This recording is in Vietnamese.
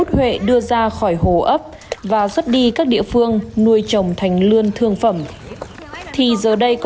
huệ đưa ra khỏi hồ ấp và xuất đi các địa phương nuôi trồng thành lươn thương phẩm thì giờ đây có